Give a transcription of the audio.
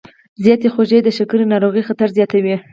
زیاتې خوږې د شکرې ناروغۍ خطر زیاتوي.